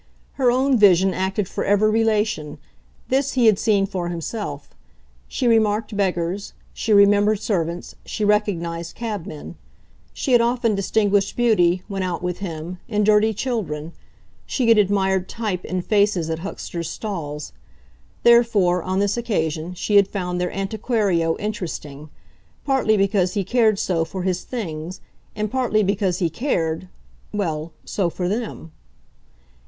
Her own vision acted for every relation this he had seen for himself: she remarked beggars, she remembered servants, she recognised cabmen; she had often distinguished beauty, when out with him, in dirty children; she had admired "type" in faces at hucksters' stalls. Therefore, on this occasion, she had found their antiquario interesting; partly because he cared so for his things, and partly because he cared well, so for them.